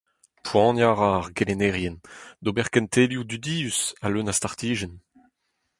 poaniañ a ra ar gelennerien d’ober kentelioù dudius ha leun a startijenn.